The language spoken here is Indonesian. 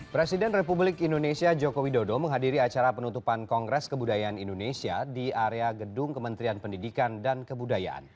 presiden republik indonesia joko widodo menghadiri acara penutupan kongres kebudayaan indonesia di area gedung kementerian pendidikan dan kebudayaan